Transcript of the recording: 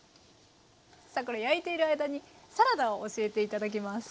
さあこれ焼いている間にサラダを教えて頂きます。